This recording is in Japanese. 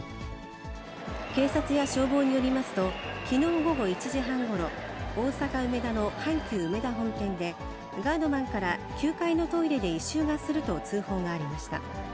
警察や消防によりますと、きのう午後１時半ごろ、大阪・梅田の阪急うめだ本店で、ガードマンから、９階のトイレで異臭がすると通報がありました。